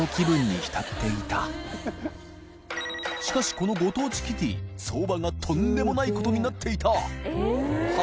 このご当地キティ蠑譴とんでもないことになっていた祺